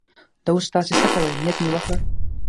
دا اوس تاسې څه کوئ؟ نیت مې وکړ.